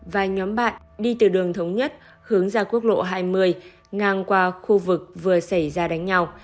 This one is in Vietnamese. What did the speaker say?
và nhóm bạn đi từ đường thống nhất hướng ra quốc lộ hai mươi ngang qua khu vực vừa xảy ra đánh nhau